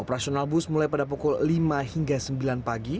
operasional bus mulai pada pukul lima hingga sembilan pagi